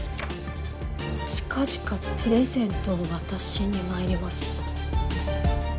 「近々プレゼントを渡しに参ります」。